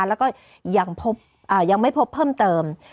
แล้วก็ยังไม่พบเพิ่มเติม